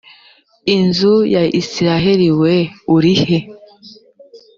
inzu ya isirayeli we urihe